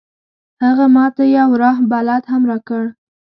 هغه ما ته یو راه بلد هم راکړ.